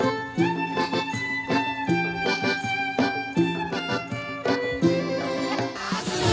แล้วก็กดเอาล่ายังไม่มีเพลิง